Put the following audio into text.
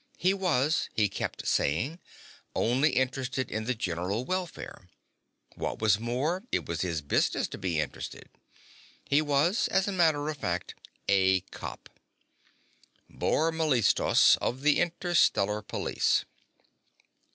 He was, he kept saying, only interested in the general welfare. What was more, it was his business to be interested. He was, as a matter of fact, a cop: Bor Mellistos, of the Interstellar Police.